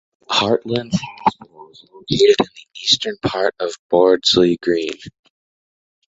Heartlands Hospital is located in the eastern part of Bordesley Green.